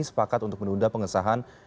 sepakat untuk menunda pengesahan